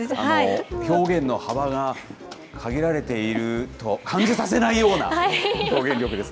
表現の幅が限られていると感じさせないような表現力ですね。